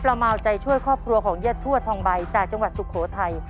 ประมาวใจช่วยครอบครัวของยัทวดทองใบจากจังหวัดสุโขทัย